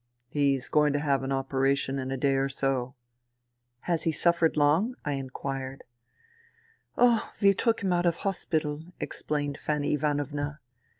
" He is going to have an operation in a day or so." " Has he suffered long ?" I inquired. '' Oh, we took him out of hospital," explained Fanny Ivanovna.